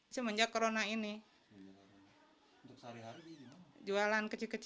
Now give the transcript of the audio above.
cuma diberkahi aja lah